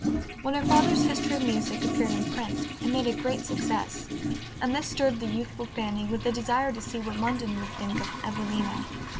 When her father's History of Music appeared in print it made a great success, and this stirred the youthful Fanny with the desire to see what London would think of "Evelina."